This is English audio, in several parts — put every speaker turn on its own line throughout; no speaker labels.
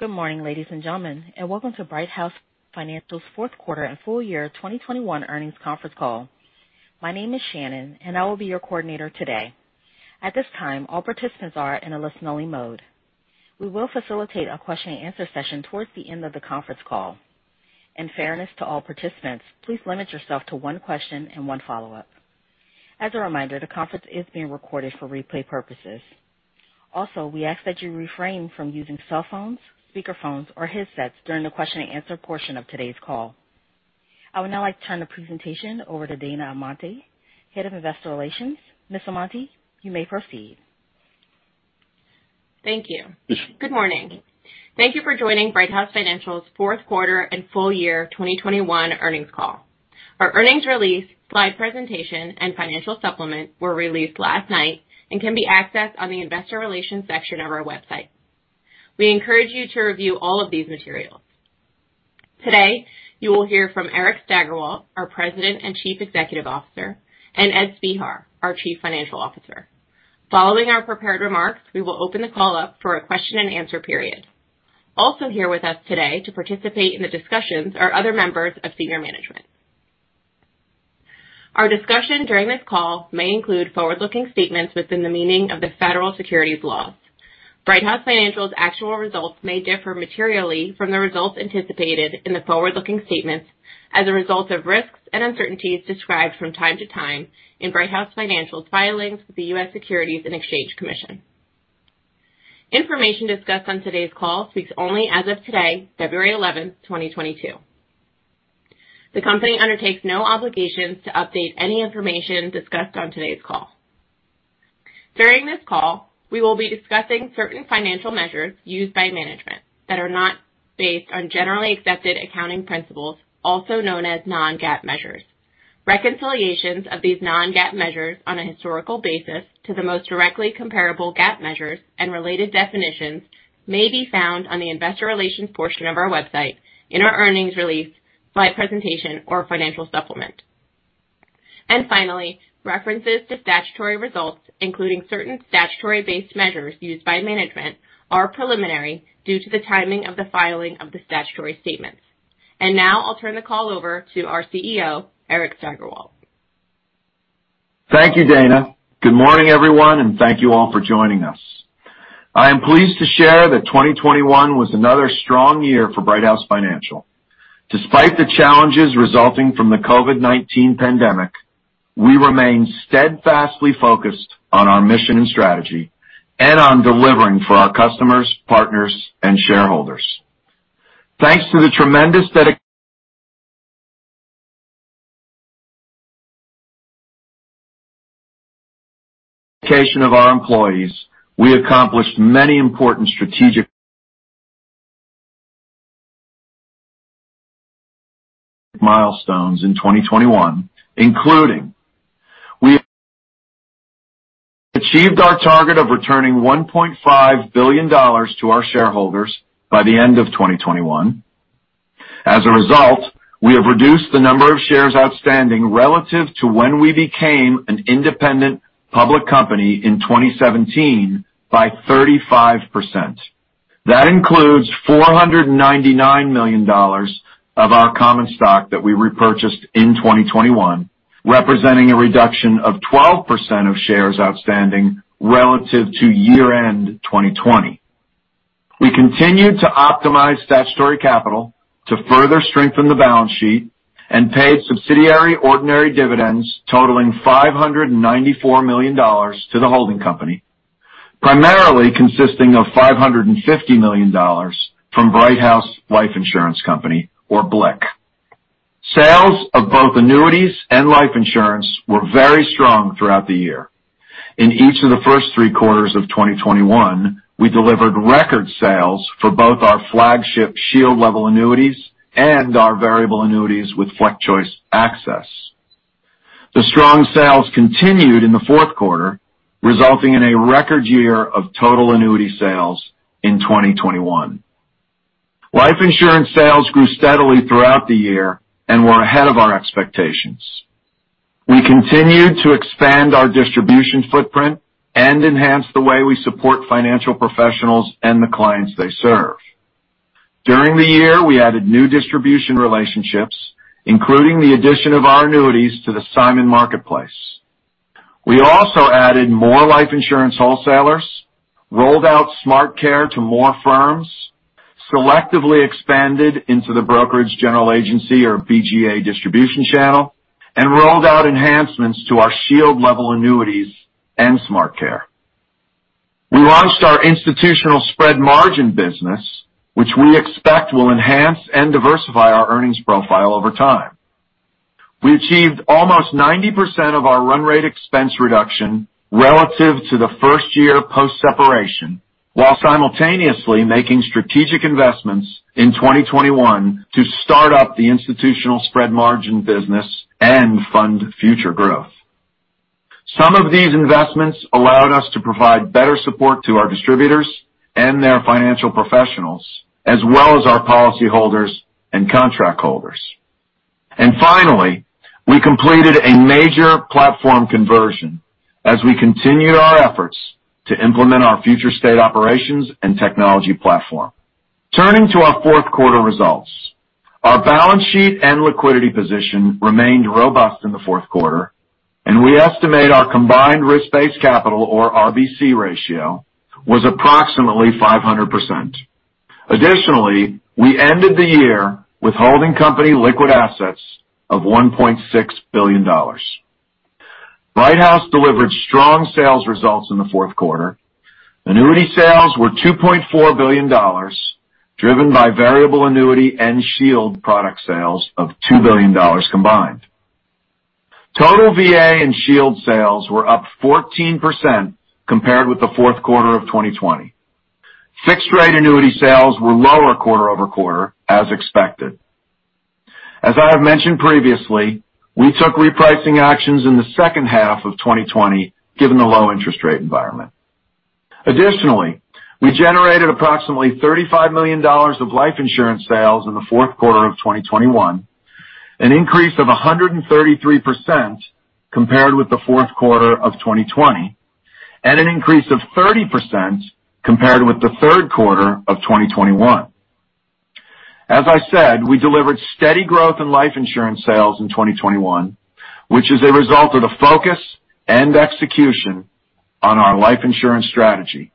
Good morning, ladies and gentlemen, and welcome to Brighthouse Financial's fourth quarter and full year 2021 earnings conference call. My name is Shannon, and I will be your coordinator today. At this time, all participants are in a listen-only mode. We will facilitate a question and answer session towards the end of the conference call. In fairness to all participants, please limit yourself to one question and one follow-up. As a reminder, the conference is being recorded for replay purposes. Also, we ask that you refrain from using cell phones, speakerphones, or headsets during the question and answer portion of today's call. I would now like to turn the presentation over to Dana Amante, Head of Investor Relations. Ms. Amante, you may proceed.
Thank you. Good morning. Thank you for joining Brighthouse Financial's fourth quarter and full year 2021 earnings call. Our earnings release, slide presentation, and financial supplement were released last night and can be accessed on the investor relations section of our website. We encourage you to review all of these materials. Today, you will hear from Eric Steigerwalt, our President and Chief Executive Officer, and Ed Spehar, our Chief Financial Officer. Following our prepared remarks, we will open the call up for a question and answer period. Also here with us today to participate in the discussions are other members of senior management. Our discussion during this call may include forward-looking statements within the meaning of the federal securities laws. Brighthouse Financial's actual results may differ materially from the results anticipated in the forward-looking statements as a result of risks and uncertainties described from time to time in Brighthouse Financial's filings with the U.S. Securities and Exchange Commission. Information discussed on today's call speaks only as of today, February 11th, 2022. The company undertakes no obligations to update any information discussed on today's call. During this call, we will be discussing certain financial measures used by management that are not based on generally accepted accounting principles, also known as non-GAAP measures. Reconciliations of these non-GAAP measures on a historical basis to the most directly comparable GAAP measures and related definitions may be found on the investor relations portion of our website in our earnings release by presentation or financial supplement. Finally, references to statutory results, including certain statutory-based measures used by management, are preliminary due to the timing of the filing of the statutory statements. Now I'll turn the call over to our CEO, Eric Steigerwalt.
Thank you, Dana. Good morning, everyone, and thank you all for joining us. I am pleased to share that 2021 was another strong year for Brighthouse Financial. Despite the challenges resulting from the COVID-19 pandemic, we remain steadfastly focused on our mission and strategy and on delivering for our customers, partners, and shareholders. Thanks to the tremendous dedication of our employees, we accomplished many important strategic milestones in 2021, including. We achieved our target of returning $1.5 billion to our shareholders by the end of 2021. As a result, we have reduced the number of shares outstanding relative to when we became an independent public company in 2017 by 35%. That includes $499 million of our common stock that we repurchased in 2021, representing a reduction of 12% of shares outstanding relative to year-end 2020. We continued to optimize statutory capital to further strengthen the balance sheet and paid subsidiary ordinary dividends totaling $594 million to the holding company, primarily consisting of $550 million from Brighthouse Life Insurance Company or BLIC. Sales of both annuities and life insurance were very strong throughout the year. In each of the first three quarters of 2021, we delivered record sales for both our flagship Shield Level Annuities and our variable annuities with FlexChoice Access. The strong sales continued in the fourth quarter, resulting in a record year of total annuity sales in 2021. Life insurance sales grew steadily throughout the year and were ahead of our expectations. We continued to expand our distribution footprint and enhance the way we support financial professionals and the clients they serve. During the year, we added new distribution relationships, including the addition of our annuities to the SIMON Markets. We also added more life insurance wholesalers, rolled out SmartCare to more firms, selectively expanded into the brokerage general agency or BGA distribution channel, and rolled out enhancements to our Shield Level Annuities and SmartCare. We launched our institutional spread margin business, which we expect will enhance and diversify our earnings profile over time. We achieved almost 90% of our run rate expense reduction relative to the first year post-separation, while simultaneously making strategic investments in 2021 to start up the institutional spread margin business and fund future growth. Some of these investments allowed us to provide better support to our distributors and their financial professionals, as well as our policyholders and contract holders. Finally, we completed a major platform conversion as we continued our efforts to implement our future state operations and technology platform. Turning to our fourth quarter results, our balance sheet and liquidity position remained robust in the fourth quarter, and we estimate our combined risk-based capital or RBC ratio was approximately 500%. Additionally, we ended the year with holding company liquid assets of $1.6 billion. Brighthouse delivered strong sales results in the fourth quarter. Annuity sales were $2.4 billion, driven by variable annuity and Shield product sales of $2 billion combined. Total VA and Shield sales were up 14% compared with the fourth quarter of 2020. Fixed rate annuity sales were lower quarter-over-quarter as expected. I have mentioned previously, we took repricing actions in the second half of 2020, given the low interest rate environment. Additionally, we generated approximately $35 million of life insurance sales in the fourth quarter of 2021, an increase of 133% compared with the fourth quarter of 2020, and an increase of 30% compared with the third quarter of 2021. I said, we delivered steady growth in life insurance sales in 2021, which is a result of the focus and execution on our life insurance strategy,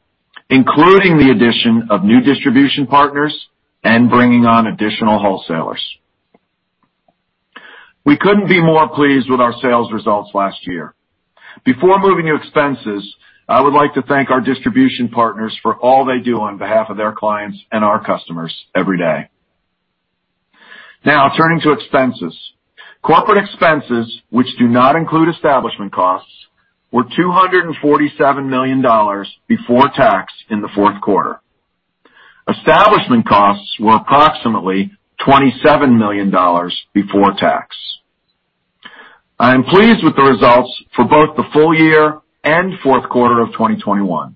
including the addition of new distribution partners and bringing on additional wholesalers. We couldn't be more pleased with our sales results last year. Before moving to expenses, I would like to thank our distribution partners for all they do on behalf of their clients and our customers every day. Now turning to expenses. Corporate expenses, which do not include establishment costs, were $247 million before tax in the fourth quarter. Establishment costs were approximately $27 million before tax. I am pleased with the results for both the full year and fourth quarter of 2021.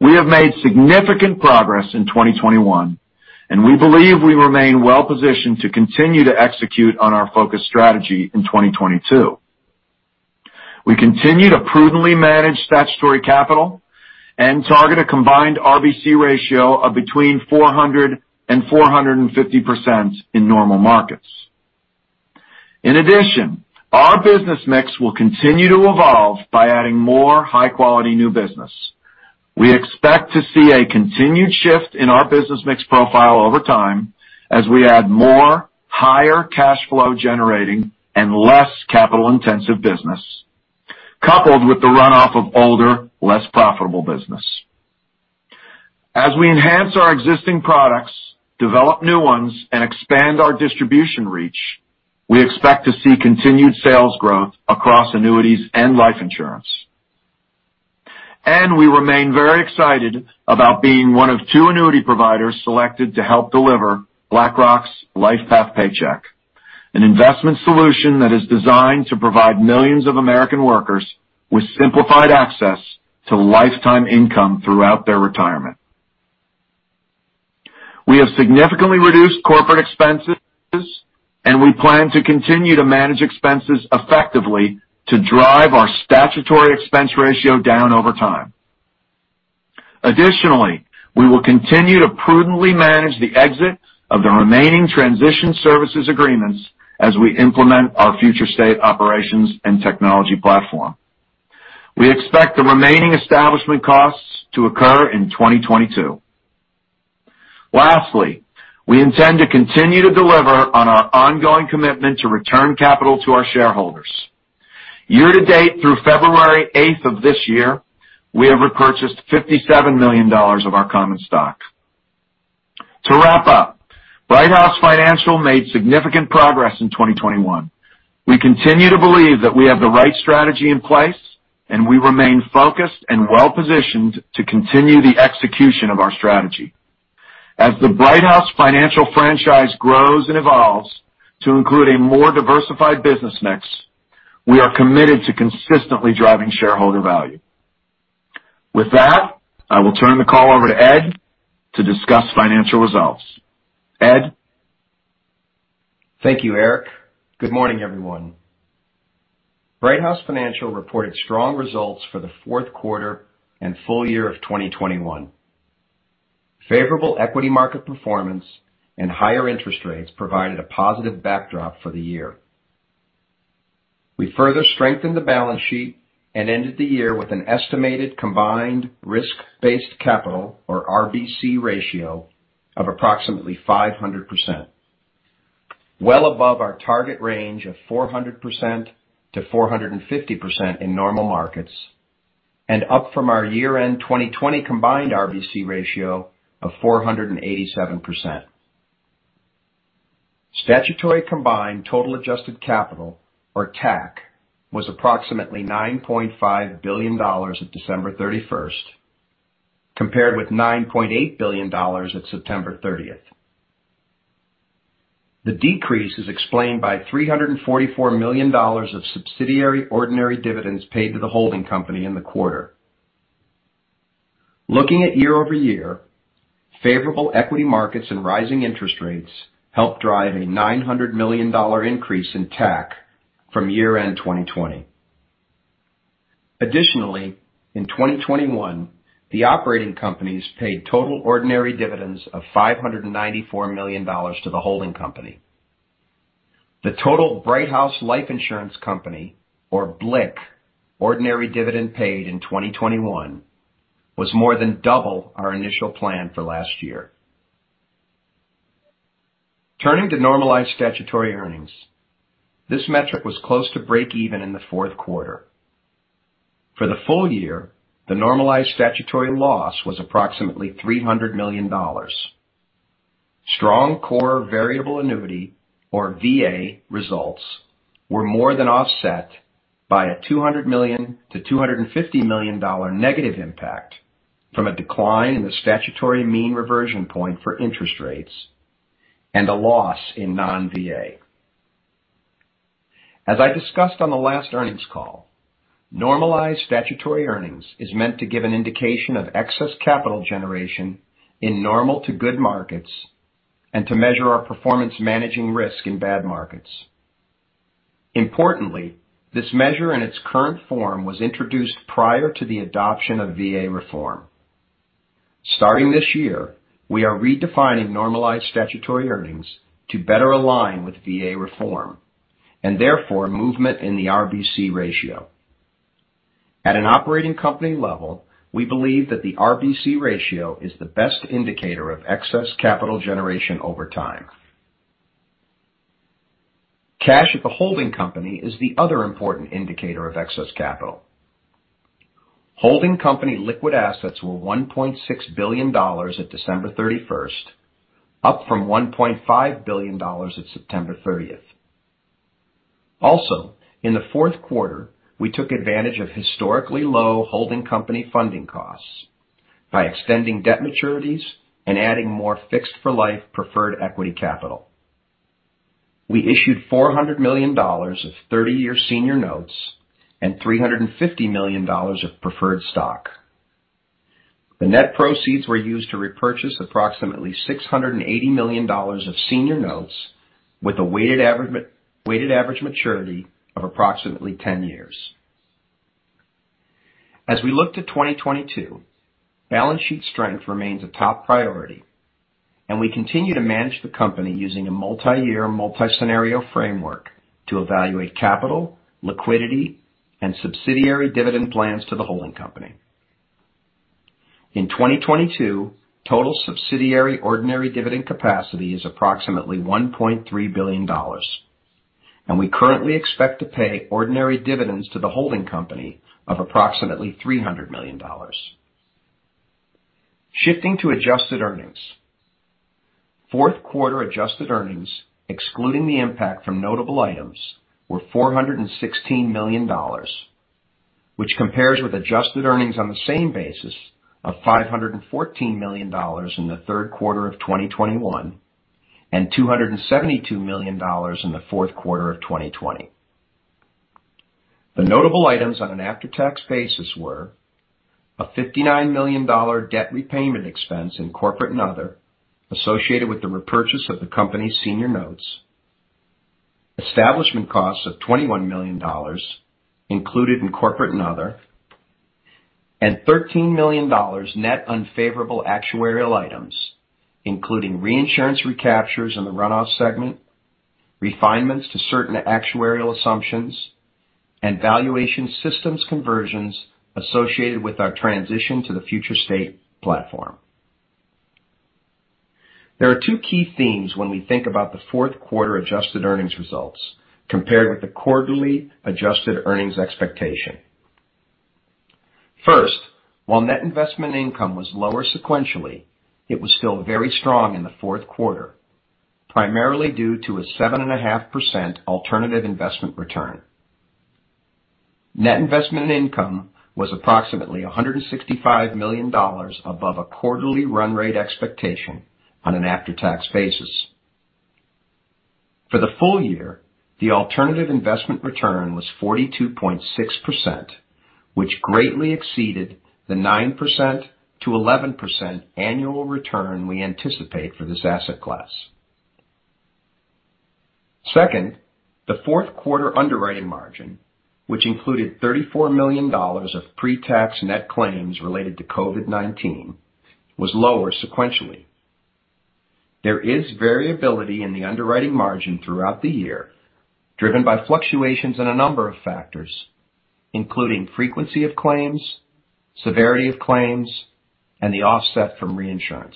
We have made significant progress in 2021, and we believe we remain well positioned to continue to execute on our focus strategy in 2022. We continue to prudently manage statutory capital and target a combined RBC ratio of between 400% and 450% in normal markets. In addition, our business mix will continue to evolve by adding more high quality new business. We expect to see a continued shift in our business mix profile over time as we add more higher cash flow generating and less capital intensive business, coupled with the runoff of older, less profitable business. As we enhance our existing products, develop new ones, and expand our distribution reach, we expect to see continued sales growth across annuities and life insurance. We remain very excited about being one of two annuity providers selected to help deliver BlackRock's LifePath Paycheck, an investment solution that is designed to provide millions of American workers with simplified access to lifetime income throughout their retirement. We have significantly reduced corporate expenses, and we plan to continue to manage expenses effectively to drive our statutory expense ratio down over time. Additionally, we will continue to prudently manage the exit of the remaining transition services agreements as we implement our future state operations and technology platform. We expect the remaining establishment costs to occur in 2022. Lastly, we intend to continue to deliver on our ongoing commitment to return capital to our shareholders. Year-to-date through February 8th of this year, we have repurchased $57 million of our common stock. To wrap up, Brighthouse Financial made significant progress in 2021. We continue to believe that we have the right strategy in place, and we remain focused and well positioned to continue the execution of our strategy. As the Brighthouse Financial franchise grows and evolves to include a more diversified business mix, we are committed to consistently driving shareholder value. With that, I will turn the call over to Ed to discuss financial results. Ed?
Thank you, Eric. Good morning, everyone. Brighthouse Financial reported strong results for the fourth quarter and full year of 2021. Favorable equity market performance and higher interest rates provided a positive backdrop for the year. We further strengthened the balance sheet and ended the year with an estimated combined risk-based capital, or RBC ratio of approximately 500%, well above our target range of 400%-450% in normal markets, and up from our year-end 2020 combined RBC ratio of 487%. Statutory combined total adjusted capital, or TAC, was approximately $9.5 billion at December 31st, compared with $9.8 billion at September 30th. The decrease is explained by $344 million of subsidiary ordinary dividends paid to the holding company in the quarter. Looking at year-over-year, favorable equity markets and rising interest rates helped drive a $900 million increase in TAC from year-end 2020. Additionally, in 2021, the operating companies paid total ordinary dividends of $594 million to the holding company. The total Brighthouse Life Insurance Company, or BLIC, ordinary dividend paid in 2021 was more than double our initial plan for last year. Turning to normalized statutory earnings. This metric was close to breakeven in the fourth quarter. For the full year, the normalized statutory loss was approximately $300 million. Strong core variable annuity, or VA, results were more than offset by a $200 million-$250 million negative impact from a decline in the statutory mean reversion point for interest rates and a loss in non-VA. As I discussed on the last earnings call, normalized statutory earnings is meant to give an indication of excess capital generation in normal to good markets and to measure our performance managing risk in bad markets. Importantly, this measure in its current form was introduced prior to the adoption of VA reform. Starting this year, we are redefining normalized statutory earnings to better align with VA reform and therefore movement in the RBC ratio. At an operating company level, we believe that the RBC ratio is the best indicator of excess capital generation over time. Cash at the holding company is the other important indicator of excess capital. Holding company liquid assets were $1.6 billion at December 31st, up from $1.5 billion at September 30th. Also, in the fourth quarter, we took advantage of historically low holding company funding costs by extending debt maturities and adding more fixed for life preferred equity capital. We issued $400 million of 30-year senior notes and $350 million of preferred stock. The net proceeds were used to repurchase approximately $680 million of senior notes with a weighted average maturity of approximately 10 years. As we look to 2022, balance sheet strength remains a top priority, and we continue to manage the company using a multi-year, multi-scenario framework to evaluate capital, liquidity, and subsidiary dividend plans to the holding company. In 2022, total subsidiary ordinary dividend capacity is approximately $1.3 billion, and we currently expect to pay ordinary dividends to the holding company of approximately $300 million. Shifting to adjusted earnings. Fourth quarter adjusted earnings, excluding the impact from notable items, were $416 million, which compares with adjusted earnings on the same basis of $514 million in the third quarter of 2021 and $272 million in the fourth quarter of 2020. The notable items on an after-tax basis were a $59 million debt repayment expense in corporate and other associated with the repurchase of the company's senior notes, establishment costs of $21 million included in corporate and other, and $13 million net unfavorable actuarial items, including reinsurance recaptures in the runoff segment, refinements to certain actuarial assumptions, and valuation systems conversions associated with our transition to the future state platform. There are two key themes when we think about the fourth quarter adjusted earnings results compared with the quarterly adjusted earnings expectation. First, while net investment income was lower sequentially, it was still very strong in the fourth quarter, primarily due to a 7.5% alternative investment return. Net investment income was approximately $165 million above a quarterly run rate expectation on an after-tax basis. For the full year, the alternative investment return was 42.6%, which greatly exceeded the 9%-11% annual return we anticipate for this asset class. Second, the fourth quarter underwriting margin, which included $34 million of pre-tax net claims related to COVID-19, was lower sequentially. There is variability in the underwriting margin throughout the year, driven by fluctuations in a number of factors, including frequency of claims, severity of claims, and the offset from reinsurance.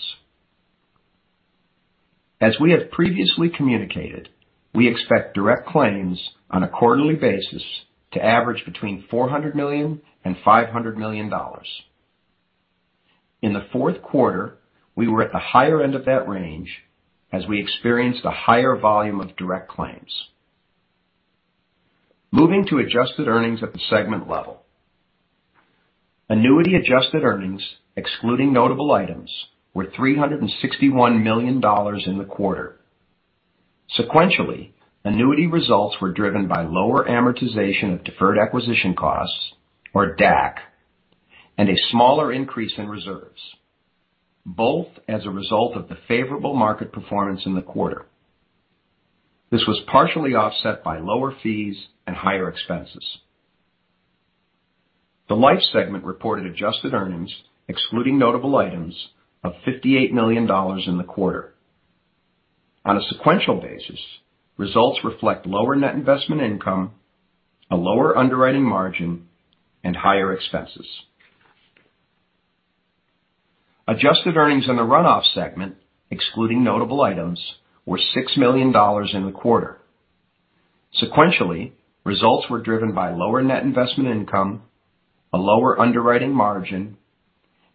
As we have previously communicated, we expect direct claims on a quarterly basis to average between $400 million and $500 million. In the fourth quarter, we were at the higher end of that range as we experienced a higher volume of direct claims. Moving to adjusted earnings at the segment level. Annuity adjusted earnings, excluding notable items, were $361 million in the quarter. Sequentially, Annuity results were driven by lower amortization of deferred acquisition costs, or DAC, and a smaller increase in reserves, both as a result of the favorable market performance in the quarter. This was partially offset by lower fees and higher expenses. The Life segment reported adjusted earnings excluding notable items of $58 million in the quarter. On a sequential basis, results reflect lower net investment income, a lower underwriting margin, and higher expenses. Adjusted earnings in the Run-off segment excluding notable items were $6 million in the quarter. Sequentially, results were driven by lower net investment income, a lower underwriting margin,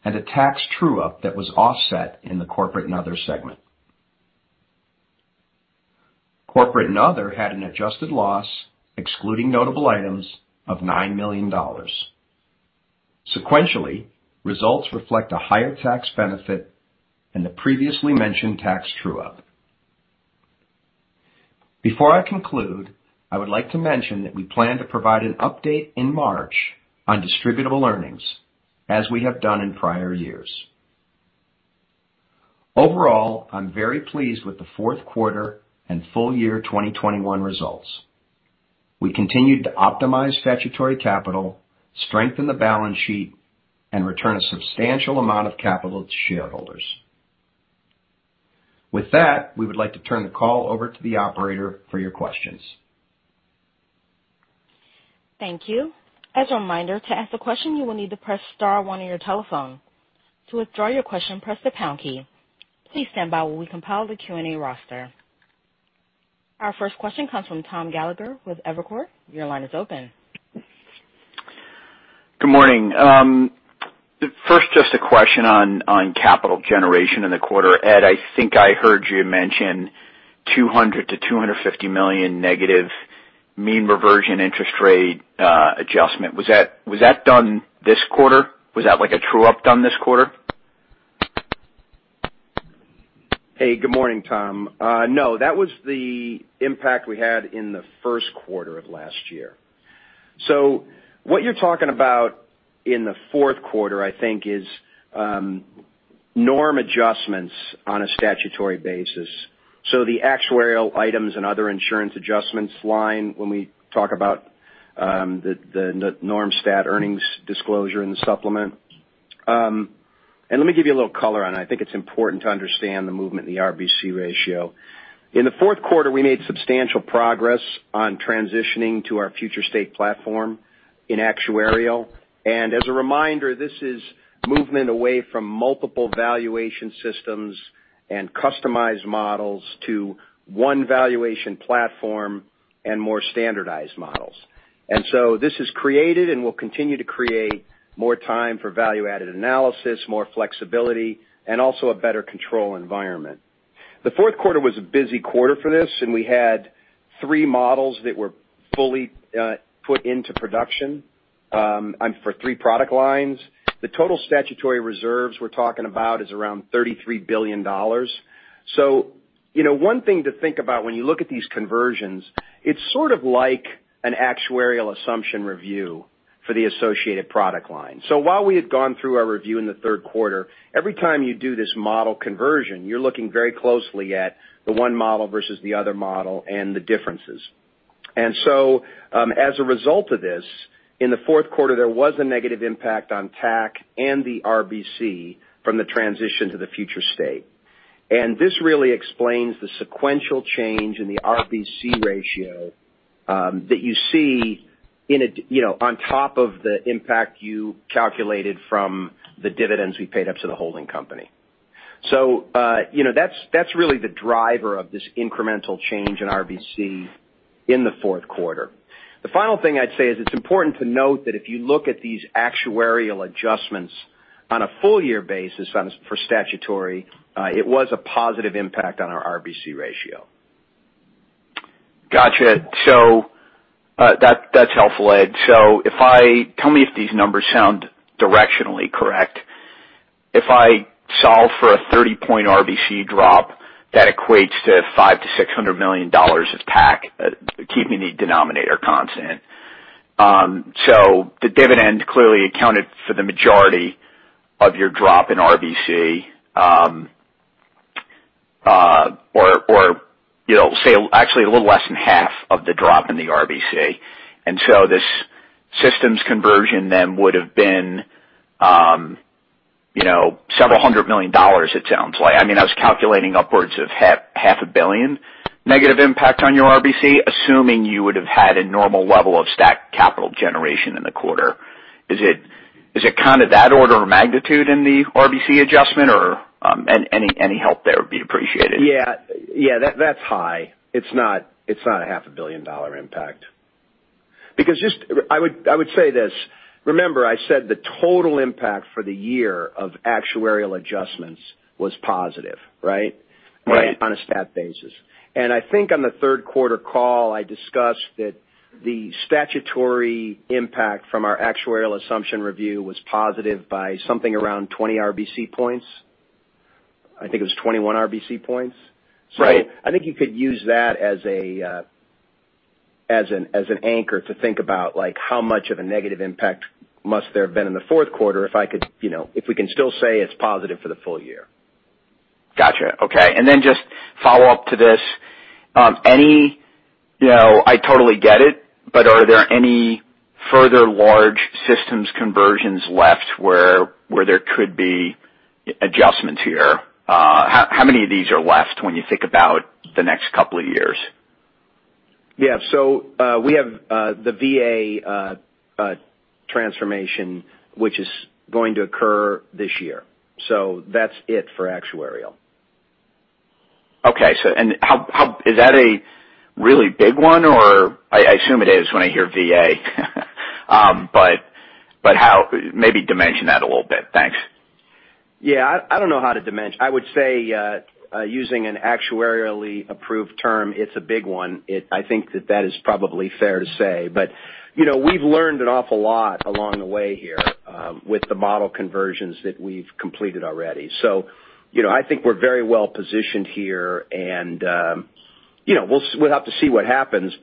and a tax true-up that was offset in the Corporate and Other segment. Corporate and Other had an adjusted loss excluding notable items of $9 million. Sequentially, results reflect a higher tax benefit and the previously mentioned tax true-up. Before I conclude, I would like to mention that we plan to provide an update in March on distributable earnings as we have done in prior years. Overall, I'm very pleased with the fourth quarter and full year 2021 results. We continued to optimize statutory capital, strengthen the balance sheet, and return a substantial amount of capital to shareholders. With that, we would like to turn the call over to the operator for your questions.
Thank you. As a reminder, to ask a question, you will need to press star one on your telephone. To withdraw your question, press the pound key. Please stand by while we compile the Q&A roster. Our first question comes from Thomas Gallagher with Evercore. Your line is open.
Good morning. First, just a question on capital generation in the quarter. Ed, I think I heard you mention $200 million-$250 million negative mean reversion interest rate adjustment. Was that done this quarter? Was that like a true-up done this quarter?
Hey, good morning, Tom. No, that was the impact we had in the first quarter of last year. What you're talking about in the fourth quarter, I think, is norm adjustments on a statutory basis. The actuarial items and other insurance adjustments line when we talk about the norm stat earnings disclosure in the supplement. Let me give you a little color on it. I think it's important to understand the movement in the RBC ratio. In the fourth quarter, we made substantial progress on transitioning to our future state platform in actuarial. As a reminder, this is movement away from multiple valuation systems and customized models to one valuation platform and more standardized models. This has created and will continue to create more time for value-added analysis, more flexibility, and also a better control environment. The fourth quarter was a busy quarter for this, and we had three models that were fully put into production and for three product lines. The total statutory reserves we're talking about is around $33 billion. You know, one thing to think about when you look at these conversions, it's sort of like an actuarial assumption review for the associated product line. While we had gone through our review in the third quarter, every time you do this model conversion, you're looking very closely at the one model versus the other model and the differences. As a result of this, in the fourth quarter, there was a negative impact on TAC and the RBC from the transition to the future state. This really explains the sequential change in the RBC ratio that you see in, you know, on top of the impact you calculated from the dividends we paid up to the holding company. You know, that's really the driver of this incremental change in RBC in the fourth quarter. The final thing I'd say is it's important to note that if you look at these actuarial adjustments on a full year basis for statutory, it was a positive impact on our RBC ratio.
Gotcha. That's helpful, Ed. Tell me if these numbers sound directionally correct. If I solve for a 30-point RBC drop, that equates to $500 million-$600 million of TAC, keeping the denominator constant. The dividend clearly accounted for the majority of your drop in RBC, you know, say actually a little less than half of the drop in the RBC. This systems conversion then would've been, you know, $700 million it sounds like. I mean, I was calculating upwards of half a billion negative impact on your RBC, assuming you would've had a normal level of stat capital generation in the quarter. Is it kind of that order of magnitude in the RBC adjustment or, any help there would be appreciated.
Yeah, that's high. It's not a half a billion dollar impact. I would say this. Remember I said the total impact for the year of actuarial adjustments was positive, right?
Right.
On a stat basis. I think on the third quarter call, I discussed that the statutory impact from our actuarial assumption review was positive by something around 20 RBC points. I think it was 21 RBC points.
Right.
I think you could use that as an anchor to think about like how much of a negative impact must there have been in the fourth quarter, you know, if we can still say it's positive for the full year.
Gotcha. Okay. Just follow up to this. Any you know, I totally get it, but are there any further large systems conversions left where there could be adjustments here? How many of these are left when you think about the next couple of years?
Yeah. We have the VA transformation, which is going to occur this year. That's it for actuarial.
How is that a really big one, or I assume it is when I hear VA. But how? Maybe dimension that a little bit. Thanks.
Yeah. I don't know how to dimension. I would say, using an actuarially approved term, it's a big one. I think that is probably fair to say. You know, we've learned an awful lot along the way here, with the model conversions that we've completed already. You know, I think we're very well positioned here and, you know, we'll have to see what happens.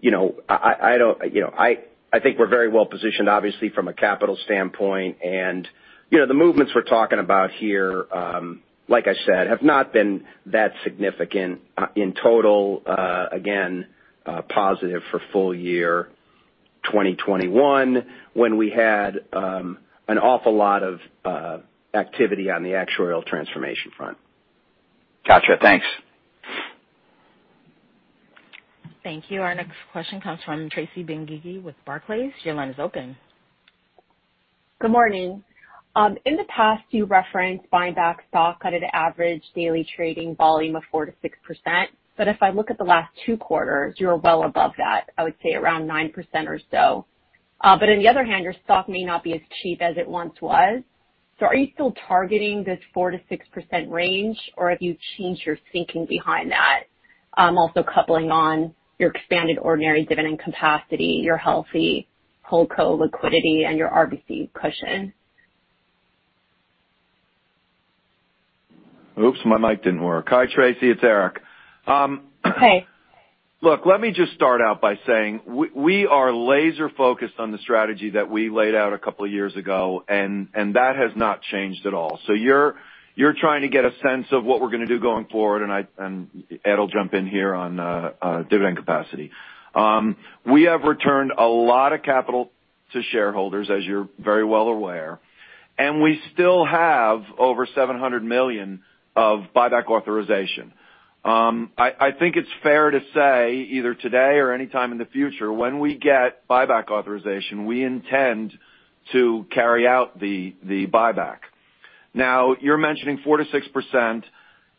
You know, I think we're very well positioned obviously from a capital standpoint and, you know, the movements we're talking about here, like I said, have not been that significant, in total, again, positive for full year 2021 when we had an awful lot of activity on the actuarial transformation front.
Gotcha. Thanks.
Thank you. Our next question comes from Tracy Benguigui with Barclays. Your line is open.
Good morning. In the past, you referenced buying back stock at an average daily trading volume of 4%-6%. If I look at the last two quarters, you're well above that, I would say around 9% or so. On the other hand, your stock may not be as cheap as it once was. Are you still targeting this 4%-6% range, or have you changed your thinking behind that? Also coupling on your expanded ordinary dividend capacity, your healthy hold co liquidity and your RBC cushion.
Oops, my mic didn't work. Hi, Tracy, it's Eric.
Hi.
Look, let me just start out by saying we are laser focused on the strategy that we laid out a couple years ago, and that has not changed at all. You're trying to get a sense of what we're going to do going forward, and Ed will jump in here on dividend capacity. We have returned a lot of capital to shareholders, as you're very well aware, and we still have over $700 million of buyback authorization. I think it's fair to say either today or anytime in the future, when we get buyback authorization, we intend to carry out the buyback. Now you're mentioning 4%-6%.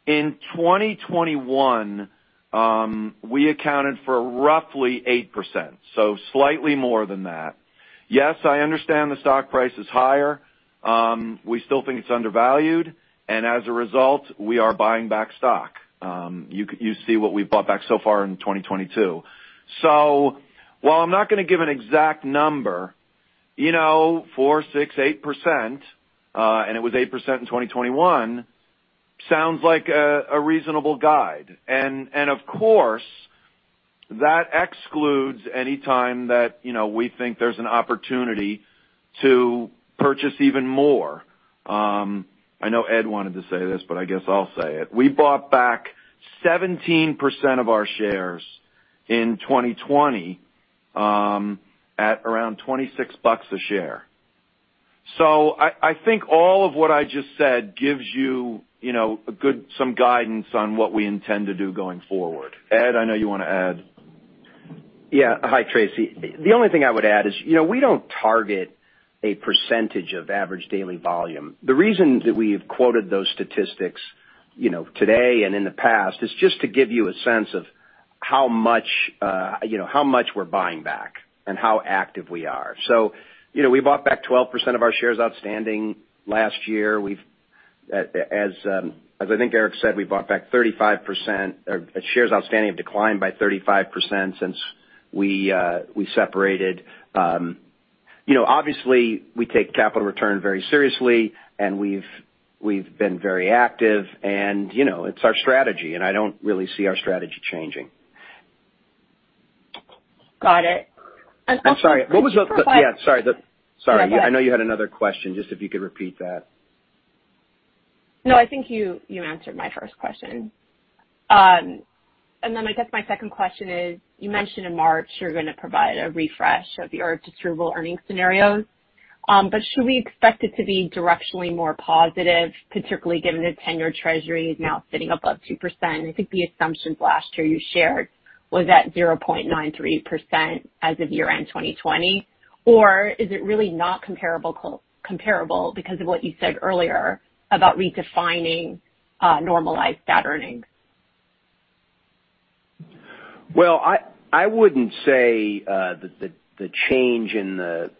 In 2021, we accounted for roughly 8%, so slightly more than that. Yes, I understand the stock price is higher. We still think it's undervalued, and as a result, we are buying back stock. You see what we've bought back so far in 2022. While I'm not going to give an exact number, you know, 4%, 6%, 8%, and it was 8% in 2021, sounds like a reasonable guide. Of course, that excludes any time that, you know, we think there's an opportunity to purchase even more. I know Ed wanted to say this, but I guess I'll say it. We bought back 17% of our shares in 2020, at around $26 a share. I think all of what I just said gives you know, a good some guidance on what we intend to do going forward. Ed, I know you want to add.
Yeah. Hi, Tracy. The only thing I would add is, you know, we don't target a percentage of average daily volume. The reason that we've quoted those statistics, you know, today and in the past is just to give you a sense of how much, you know, how much we're buying back and how active we are. You know, we bought back 12% of our shares outstanding last year. We've, as I think Eric said, we bought back 35% or shares outstanding have declined by 35% since we separated. You know, obviously we take capital return very seriously, and we've been very active and, you know, it's our strategy, and I don't really see our strategy changing.
Got it.
I'm sorry.
But-
Yeah, sorry.
Yeah, go ahead.
Sorry. I know you had another question. Just if you could repeat that.
No, I think you answered my first question. I guess my second question is, you mentioned in March you're going to provide a refresh of your distributable earnings scenarios. Should we expect it to be directionally more positive, particularly given the 10-year treasury is now sitting above 2%? I think the assumptions last year you shared was at 0.93% as of year-end 2020. Is it really not comparable because of what you said earlier about redefining normalized stat earnings?
Well, I wouldn't say that the change in the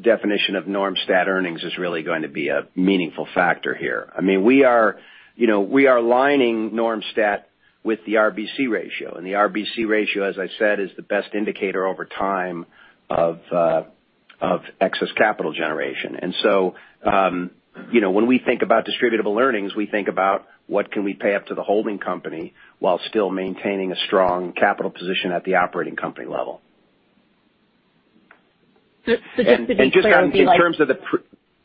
definition of norm stat earnings is really going to be a meaningful factor here. I mean, we are aligning norm stat with the RBC ratio, and the RBC ratio, as I said, is the best indicator over time of excess capital generation. You know, when we think about distributable earnings, we think about what can we pay up to the holding company while still maintaining a strong capital position at the operating company level.
Just to be clear.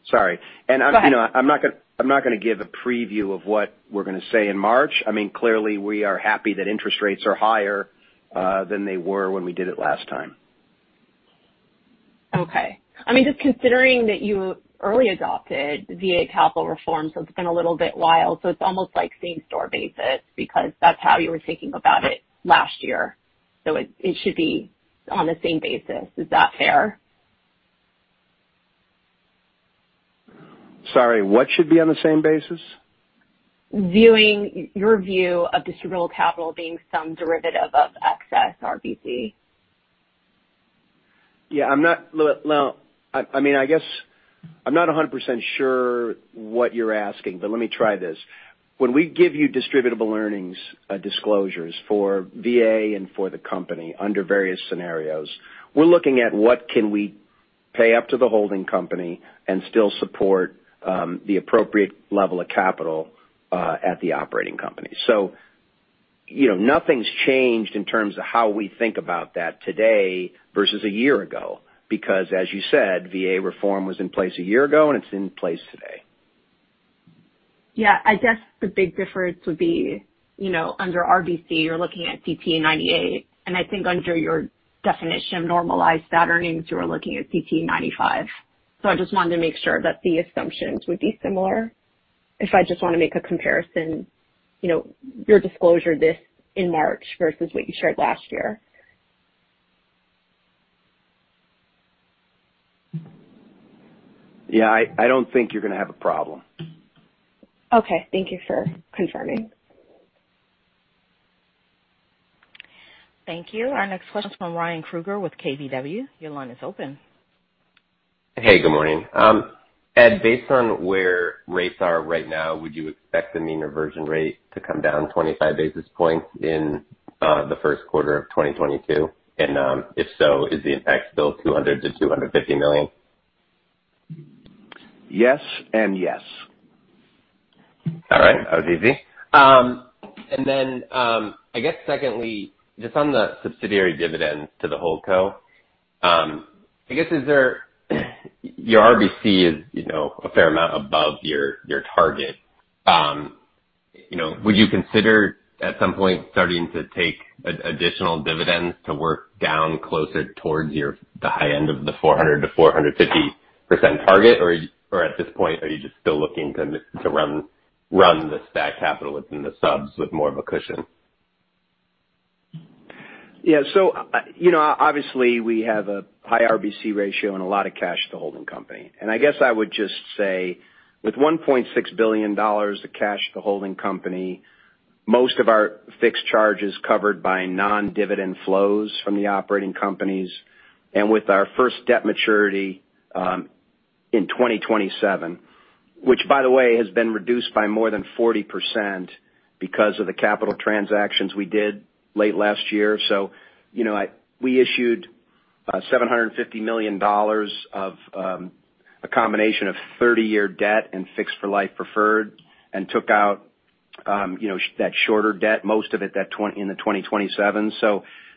Sorry.
Go ahead.
You know, I'm not gonna give a preview of what we're gonna say in March. I mean, clearly we are happy that interest rates are higher than they were when we did it last time.
Okay. I mean, just considering that you early adopted VA capital reform, so it's been a little while, so it's almost like same-store basis because that's how you were thinking about it last year. It should be on the same basis. Is that fair?
Sorry, what should be on the same basis?
Viewing your view of distributable capital being some derivative of excess RBC.
Yeah, well, I mean, I guess I'm not 100% sure what you're asking, but let me try this. When we give you distributable earnings disclosures for VA and for the company under various scenarios, we're looking at what can we pay up to the holding company and still support the appropriate level of capital at the operating company. You know, nothing's changed in terms of how we think about that today versus a year ago because as you said, VA reform was in place a year ago and it's in place today.
Yeah. I guess the big difference would be, you know, under RBC, you're looking at CTE 98, and I think under your definition of normalized stat earnings, you are looking at CTE 95. I just wanted to make sure that the assumptions would be similar if I just wanna make a comparison, you know, your disclosure this year in March versus what you shared last year.
Yeah. I don't think you're gonna have a problem.
Okay. Thank you for confirming.
Thank you. Our next question is from Ryan Krueger with KBW. Your line is open.
Hey, good morning. Ed, based on where rates are right now, would you expect the mean reversion rate to come down 25 basis points in the first quarter of 2022? If so, is the impact still $200 million-$250 million?
Yes and yes.
All right. That was easy. I guess secondly, just on the subsidiary dividends to the holdco, I guess, is your RBC, you know, a fair amount above your target. You know, would you consider at some point starting to take additional dividends to work down closer towards the high end of the 400%-450% target? Or at this point, are you just still looking to run the stat capital within the subs with more of a cushion?
Yeah. You know, obviously we have a high RBC ratio and a lot of cash at holding company. I guess I would just say with $1.6 billion of cash at holding company, most of our fixed charge is covered by non-dividend flows from the operating companies. With our first debt maturity in 2027, which by the way has been reduced by more than 40% because of the capital transactions we did late last year. You know, we issued $750 million of a combination of 30-year debt and fixed-for-life preferred and took out that shorter debt, most of it in the 2027.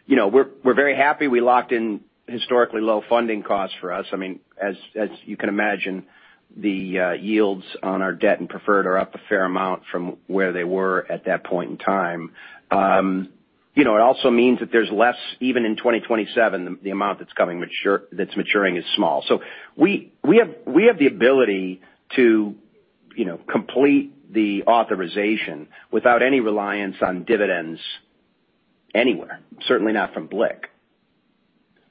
You know, we're very happy we locked in historically low funding costs for us. I mean, as you can imagine, the yields on our debt and preferred are up a fair amount from where they were at that point in time. You know, it also means that there's less, even in 2027, the amount that's maturing is small. We have the ability to, you know, complete the authorization without any reliance on dividends anywhere, certainly not from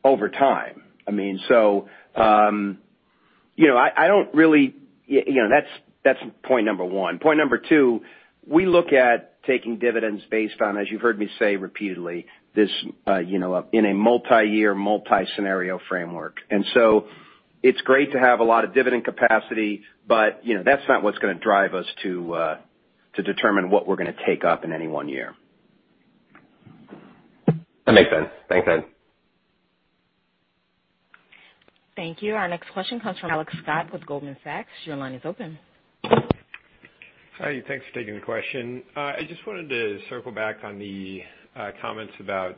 BLIC over time. I mean, you know, I don't really, you know, that's point number one. Point number two, we look at taking dividends based on, as you've heard me say repeatedly, this, you know, in a multi-year, multi-scenario framework. It's great to have a lot of dividend capacity, but, you know, that's not what's gonna drive us to determine what we're gonna take up in any one year.
That makes sense. Thanks, Ed.
Thank you. Our next question comes from Alex Scott with Goldman Sachs. Your line is open.
Hi, thanks for taking the question. I just wanted to circle back on the comments about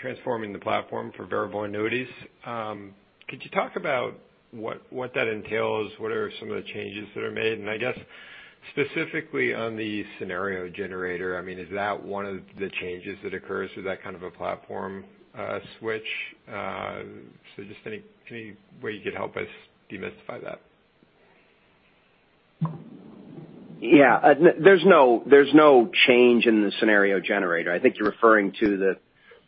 transforming the platform for variable annuities. Could you talk about what that entails? What are some of the changes that are made? I guess specifically on the scenario generator, I mean, is that one of the changes that occurs? Is that kind of a platform switch? Just any way you could help us demystify that?
Yeah. There's no change in the scenario generator. I think you're referring to the,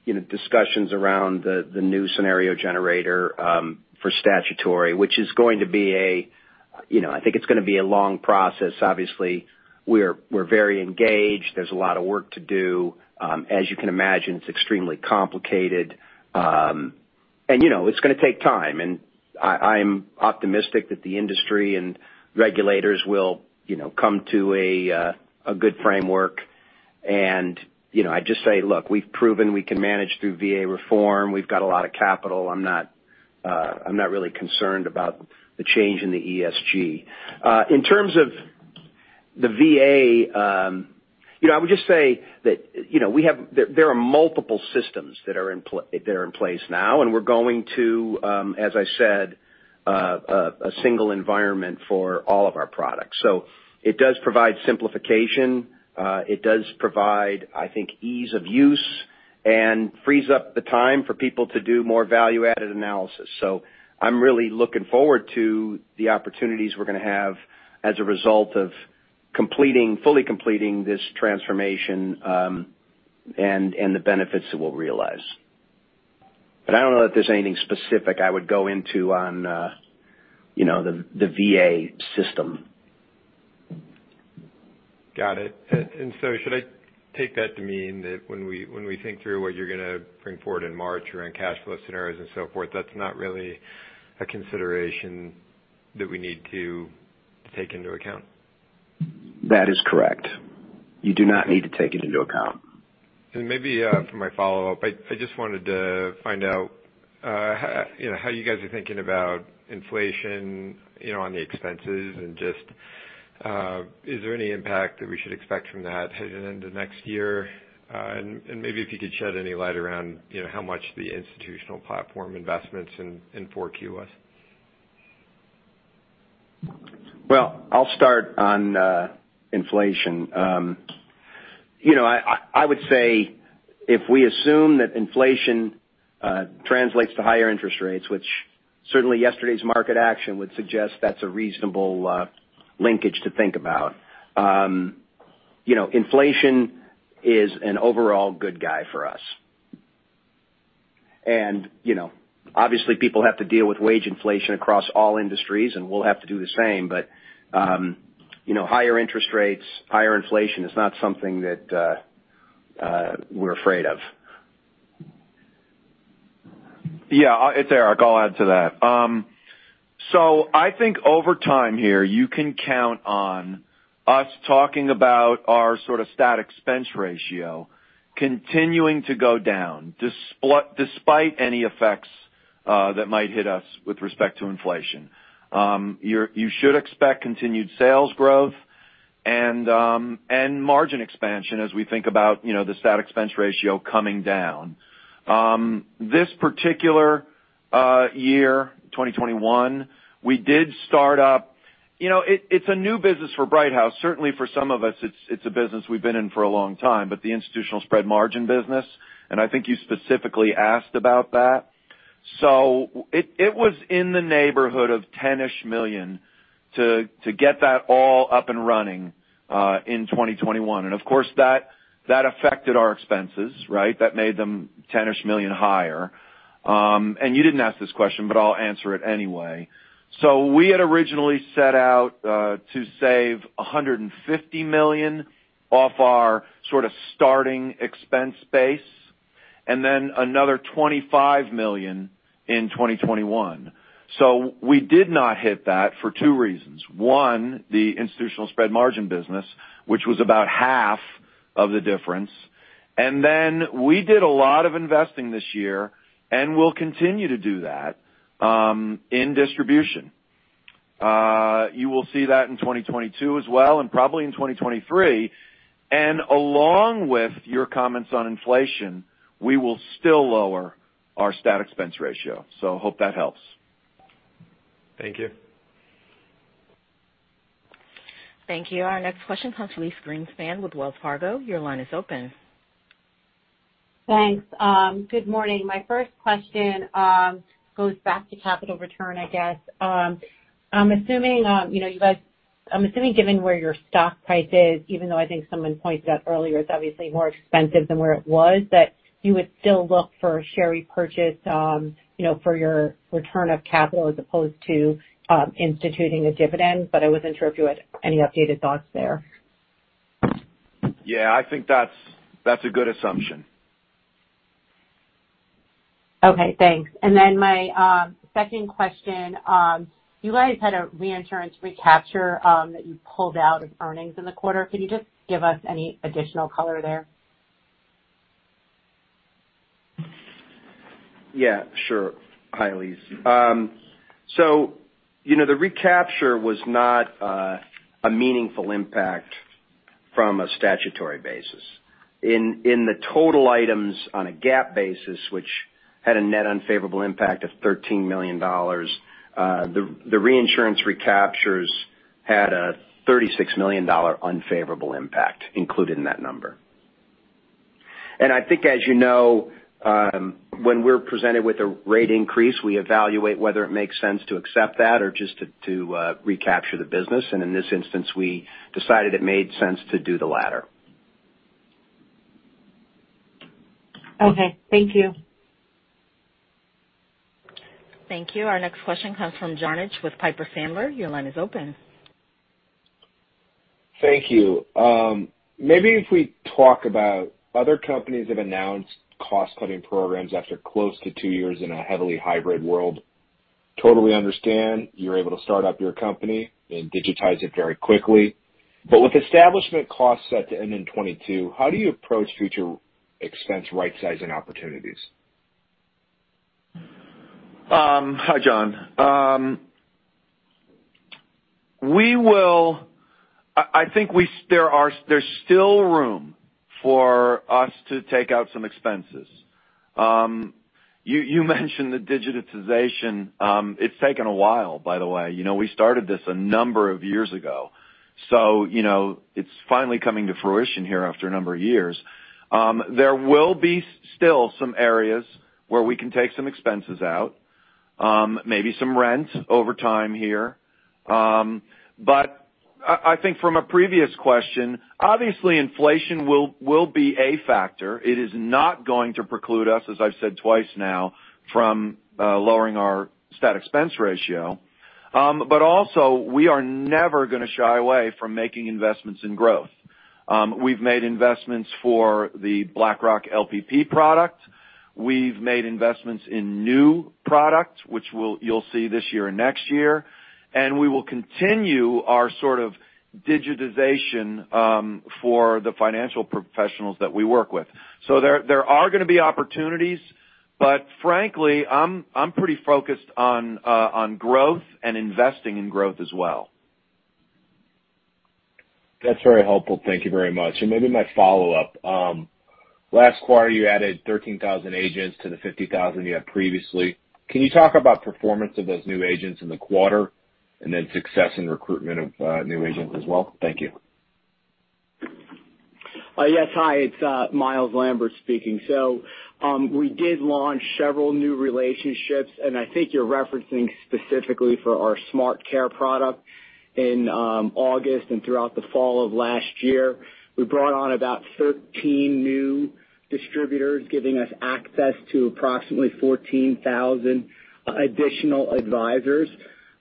you know, discussions around the new scenario generator for statutory, which is going to be a, you know, I think it's gonna be a long process. Obviously, we're very engaged. There's a lot of work to do. As you can imagine, it's extremely complicated. you know, it's gonna take time. I'm optimistic that the industry and regulators will, you know, come to a good framework. you know, I'd just say, look, we've proven we can manage through VA reform. We've got a lot of capital. I'm not really concerned about the change in the ESG. In terms of the VA, you know, I would just say that, you know, there are multiple systems that are in place now, and we're going to, as I said, a single environment for all of our products. It does provide simplification. It does provide, I think, ease of use and frees up the time for people to do more value-added analysis. I'm really looking forward to the opportunities we're gonna have as a result of completing, fully completing this transformation, and the benefits that we'll realize. I don't know that there's anything specific I would go into on, you know, the VA system.
Got it. Should I take that to mean that when we think through what you're gonna bring forward in March around cash flow scenarios and so forth, that's not really a consideration that we need to take into account?
That is correct. You do not need to take it into account.
Maybe for my follow-up, I just wanted to find out, you know, how you guys are thinking about inflation, you know, on the expenses and just is there any impact that we should expect from that heading into next year? Maybe if you could shed any light around, you know, how much the institutional platform investments in 4Q was.
Well, I'll start on inflation. You know, I would say if we assume that inflation translates to higher interest rates, which certainly yesterday's market action would suggest that's a reasonable linkage to think about. You know, inflation is an overall good guy for us. You know, obviously people have to deal with wage inflation across all industries, and we'll have to do the same. You know, higher interest rates, higher inflation is not something that we're afraid of.
Yeah. It's Eric. I'll add to that. So I think over time here, you can count on us talking about our sort of stat expense ratio continuing to go down, despite any effects that might hit us with respect to inflation. You should expect continued sales growth and margin expansion as we think about, you know, the stat expense ratio coming down. This particular year, 2021, we did start up. You know, it's a new business for Brighthouse. Certainly for some of us, it's a business we've been in for a long time, but the institutional spread margin business, and I think you specifically asked about that. So it was in the neighborhood of $10-ish million to get that all up and running in 2021. Of course, that affected our expenses, right? That made them $10-ish million higher. You didn't ask this question, but I'll answer it anyway. We had originally set out to save $150 million off our sort of starting expense base, and then another $25 million in 2021. We did not hit that for two reasons. One, the institutional spread margin business, which was about half of the difference. We did a lot of investing this year, and we'll continue to do that in distribution. You will see that in 2022 as well, and probably in 2023. Along with your comments on inflation, we will still lower our stat expense ratio. Hope that helps.
Thank you.
Thank you. Our next question comes from Elyse Greenspan with Wells Fargo. Your line is open.
Thanks. Good morning. My first question goes back to capital return, I guess. I'm assuming given where your stock price is, even though I think someone pointed out earlier, it's obviously more expensive than where it was, that you would still look for share repurchase, you know, for your return of capital as opposed to instituting a dividend. I was intrigued with any updated thoughts there.
Yeah, I think that's a good assumption.
Okay, thanks. My second question. You guys had a reinsurance recapture that you pulled out of earnings in the quarter. Can you just give us any additional color there?
Yeah, sure. Hi, Elyse. You know, the recapture was not a meaningful impact from a statutory basis. In the total items on a GAAP basis, which had a net unfavorable impact of $13 million, the reinsurance recaptures had a $36 million unfavorable impact included in that number. I think as you know, when we're presented with a rate increase, we evaluate whether it makes sense to accept that or just to recapture the business. In this instance, we decided it made sense to do the latter.
Okay, thank you.
Thank you. Our next question comes from John Barnidge with Piper Sandler. Your line is open.
Thank you. Maybe if we talk about other companies have announced cost-cutting programs after close to two years in a heavily hybrid world, totally understand you're able to start up your company and digitize it very quickly. With establishment costs set to end in 2022, how do you approach future expense rightsizing opportunities?
Hi, John. I think there's still room for us to take out some expenses. You mentioned the digitization, it's taken a while, by the way, you know, we started this a number of years ago, so, you know, it's finally coming to fruition here after a number of years. There will be still some areas where we can take some expenses out, maybe some rent over time here. I think from a previous question, obviously inflation will be a factor. It is not going to preclude us, as I've said twice now, from lowering our stat expense ratio. Also we are never gonna shy away from making investments in growth. We've made investments for the BlackRock LPP product. We've made investments in new product, which you'll see this year and next year, and we will continue our sort of digitization for the financial professionals that we work with. There are gonna be opportunities, but frankly, I'm pretty focused on growth and investing in growth as well.
That's very helpful. Thank you very much. Maybe my follow-up. Last quarter, you added 13,000 agents to the 50,000 you had previously. Can you talk about performance of those new agents in the quarter and then success in recruitment of new agents as well? Thank you.
Hi, it's Myles Lambert speaking. We did launch several new relationships, and I think you're referencing specifically for our SmartCare product in August and throughout the fall of last year. We brought on about 13 new distributors, giving us access to approximately 14,000 additional advisors.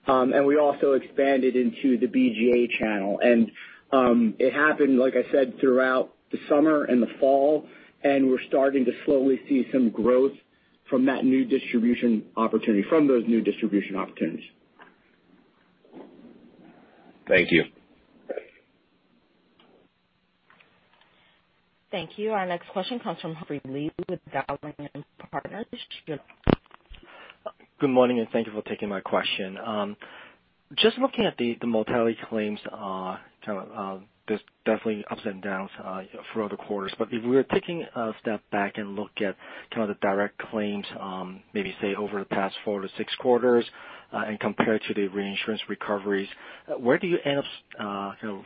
We also expanded into the BGA channel. It happened, like I said, throughout the summer and the fall, and we're starting to slowly see some growth from that new distribution opportunity, from those new distribution opportunities.
Thank you.
Thank you. Our next question comes from Humphrey Lee with Dowling & Partners.
Good morning, and thank you for taking my question. Just looking at the mortality claims, kind of, there's definitely ups and downs throughout the quarters. If we're taking a step back and look at kind of the direct claims, maybe, say, over the past four to six quarters, and compared to the reinsurance recoveries, where do you end up, you know,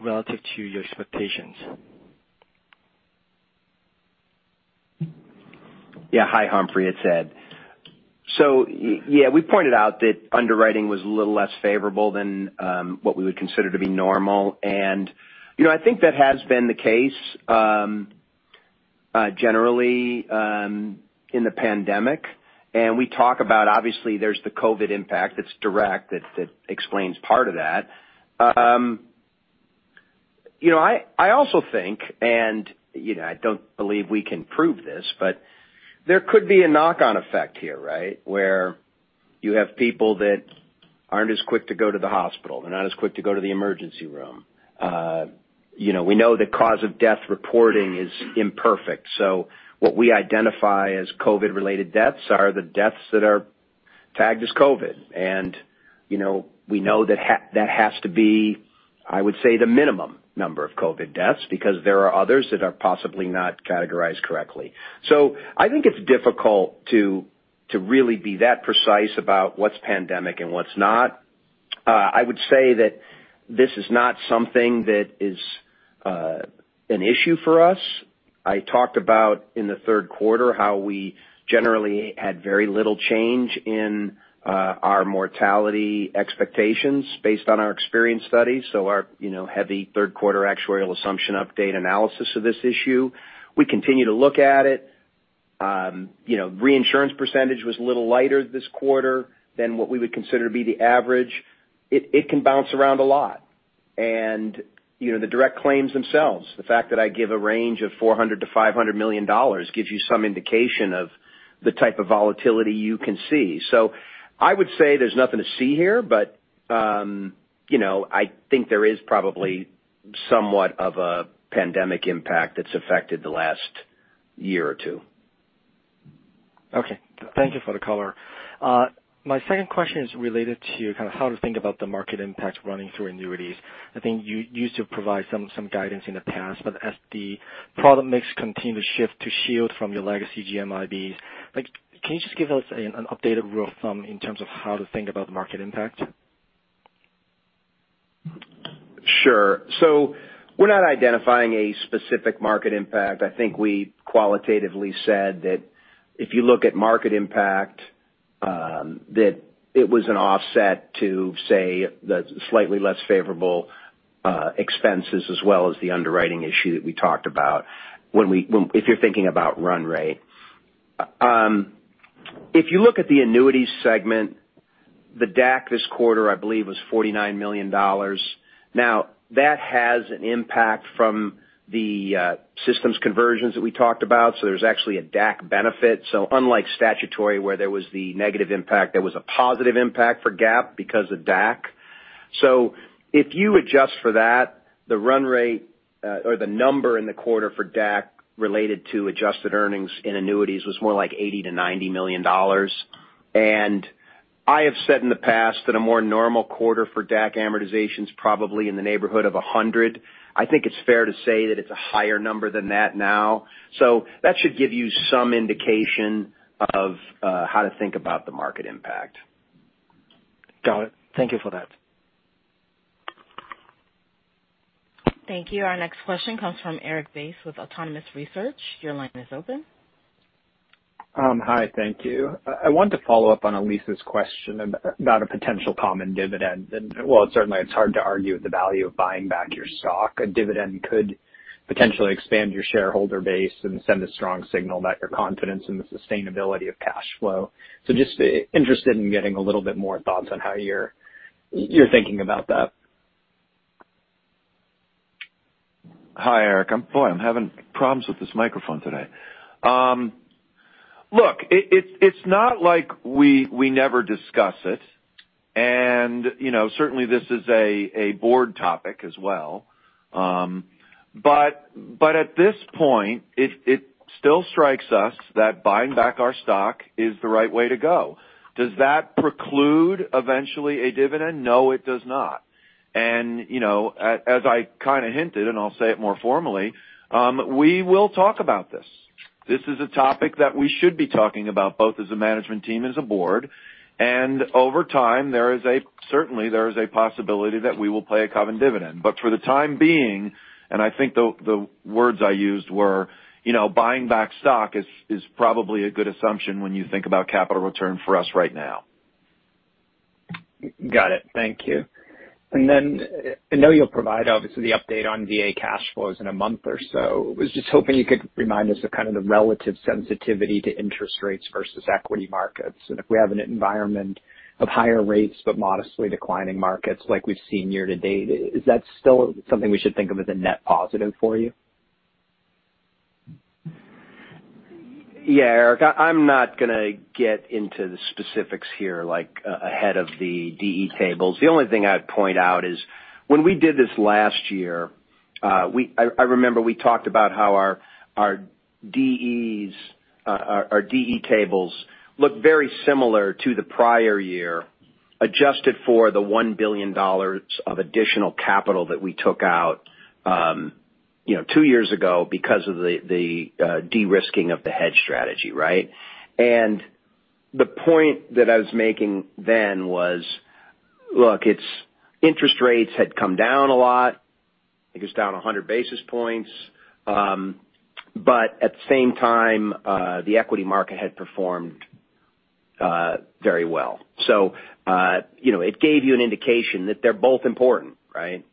relative to your expectations?
Yeah. Hi, Humphrey, it's Ed. Yeah, we pointed out that underwriting was a little less favorable than what we would consider to be normal. You know, I think that has been the case generally in the pandemic. We talk about obviously there's the COVID impact that's direct that explains part of that. You know, I also think, and you know, I don't believe we can prove this, but there could be a knock-on effect here, right? Where you have people that aren't as quick to go to the hospital. They're not as quick to go to the emergency room. You know, we know the cause of death reporting is imperfect, so what we identify as COVID-related deaths are the deaths that are tagged as COVID. You know, we know that that has to be, I would say, the minimum number of COVID deaths because there are others that are possibly not categorized correctly. I think it's difficult to really be that precise about what's pandemic and what's not. I would say that this is not something that is an issue for us. I talked about in the third quarter how we generally had very little change in our mortality expectations based on our experience studies, so our, you know, heavy third quarter actuarial assumption update analysis of this issue. We continue to look at it. You know, reinsurance percentage was a little lighter this quarter than what we would consider to be the average. It can bounce around a lot. You know, the direct claims themselves, the fact that I give a range of $400 million-$500 million gives you some indication of the type of volatility you can see. I would say there's nothing to see here, but you know, I think there is probably somewhat of a pandemic impact that's affected the last year or two.
Okay. Thank you for the color. My second question is related to kind of how to think about the market impact running through annuities. I think you used to provide some guidance in the past, but as the product mix continue to shift to Shield from your legacy GMIBs, like, can you just give us an updated rule of thumb in terms of how to think about the market impact?
Sure. We're not identifying a specific market impact. I think we qualitatively said that if you look at market impact, that it was an offset to say, the slightly less favorable expenses as well as the underwriting issue that we talked about if you're thinking about run rate. If you look at the Annuities segment, the DAC this quarter, I believe, was $49 million. Now, that has an impact from the systems conversions that we talked about. There's actually a DAC benefit. Unlike statutory, where there was the negative impact, there was a positive impact for GAAP because of DAC. If you adjust for that, the run rate or the number in the quarter for DAC related to adjusted earnings and annuities was more like $80 million-$90 million. I have said in the past that a more normal quarter for DAC amortization's probably in the neighborhood of $100. I think it's fair to say that it's a higher number than that now. That should give you some indication of how to think about the market impact.
Got it. Thank you for that.
Thank you. Our next question comes from Erik Bass with Autonomous Research. Your line is open.
Hi, thank you. I wanted to follow up on Elyse's question about a potential common dividend. Well, certainly it's hard to argue with the value of buying back your stock. A dividend could potentially expand your shareholder base and send a strong signal about your confidence in the sustainability of cash flow. Just interested in getting a little bit more thoughts on how you're thinking about that.
Hi, Eric. I'm having problems with this microphone today. Look, it's not like we never discuss it. You know, certainly this is a board topic as well. But at this point, it still strikes us that buying back our stock is the right way to go. Does that preclude eventually a dividend? No, it does not. You know, as I kinda hinted, and I'll say it more formally, we will talk about this. This is a topic that we should be talking about both as a management team and as a board. Over time, there is certainly a possibility that we will pay a common dividend. For the time being, and I think the words I used were, you know, buying back stock is probably a good assumption when you think about capital return for us right now.
Got it. Thank you. I know you'll provide, obviously, the update on VA cash flows in a month or so. Was just hoping you could remind us of kind of the relative sensitivity to interest rates versus equity markets. If we have an environment of higher rates, but modestly declining markets like we've seen year-to-date, is that still something we should think of as a net positive for you?
Yeah, Eric, I'm not gonna get into the specifics here, like ahead of the DE tables. The only thing I'd point out is when we did this last year, I remember we talked about how our DE tables looked very similar to the prior year, adjusted for the $1 billion of additional capital that we took out, you know, two years ago because of the de-risking of the hedge strategy, right? The point that I was making then was, look, it's interest rates had come down a lot. I think it's down 100 basis points. At the same time, the equity market had performed very well. You know, it gave you an indication that they're both important, right?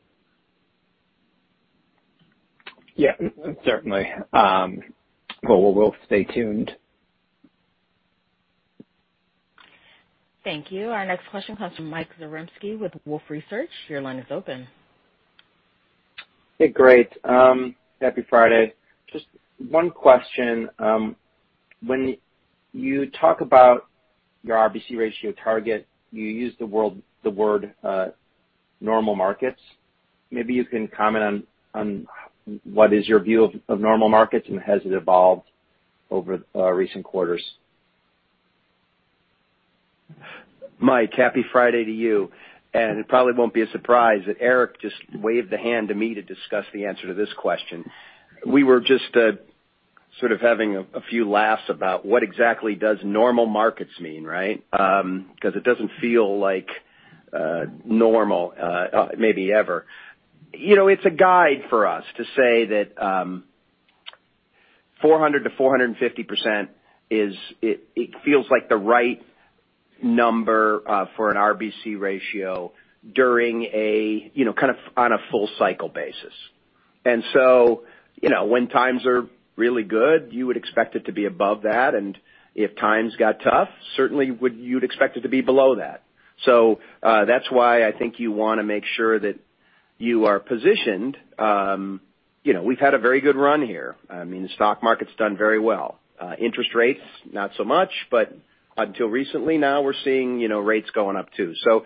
Yeah, certainly. Well, we'll stay tuned.
Thank you. Our next question comes from Mike Zaremski with Wolfe Research. Your line is open.
Hey, great. Happy Friday. Just one question. When you talk about your RBC ratio target, you use the word normal markets. Maybe you can comment on what is your view of normal markets, and has it evolved over recent quarters?
Mike, happy Friday to you. It probably won't be a surprise that Eric just waved the hand to me to discuss the answer to this question. We were just sort of having a few laughs about what exactly does normal markets mean, right? 'Cause it doesn't feel like normal, maybe ever. You know, it's a guide for us to say that 400%-450% is it feels like the right number for an RBC ratio during a you know kind of on a full cycle basis. You know, when times are really good, you would expect it to be above that, and if times got tough, you'd expect it to be below that. That's why I think you wanna make sure that you are positioned, you know. We've had a very good run here. I mean, the stock market's done very well. Interest rates, not so much, but until recently, now we're seeing, you know, rates going up, too. So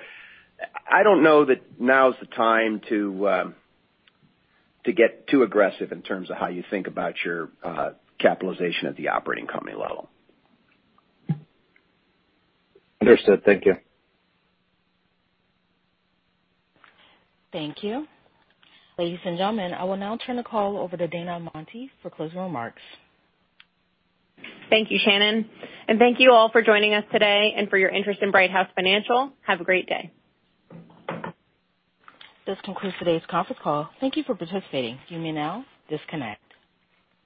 I don't know that now is the time to get too aggressive in terms of how you think about your capitalization at the operating company level.
Understood. Thank you.
Thank you. Ladies and gentlemen, I will now turn the call over to Dana Amante for closing remarks.
Thank you, Shannon. Thank you all for joining us today and for your interest in Brighthouse Financial. Have a great day.
This concludes today's conference call. Thank you for participating. You may now disconnect.